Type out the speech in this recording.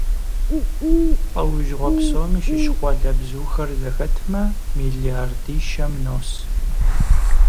ЛӀэужьыгъуэ псоми щыщ къуалэбзухэр зэхэтмэ, миллиардищэм нос.